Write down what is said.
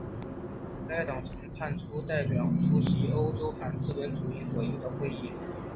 该党曾派代表出席欧洲反资本主义左翼的会议。